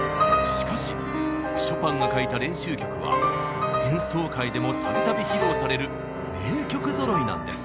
しかしショパンが書いた練習曲は演奏会でもたびたび披露される名曲ぞろいなんです。